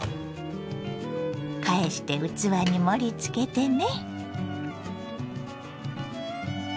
返して器に盛りつけてね。